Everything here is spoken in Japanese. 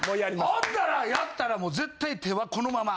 ほんだらやったらもう絶対手はこのまま。